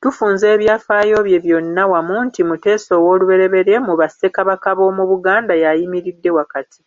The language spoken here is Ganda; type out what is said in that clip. Tufunza ebyafaayo bye byonna wamu nti Mutesa I mu Bassekabaka b'omu Buganda y'ayimiridde wakati.